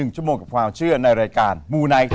๑ชมกับความเชื่อในรายการหมูนัย